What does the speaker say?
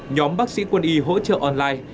nhóm bác sĩ quân y hỗ trợ online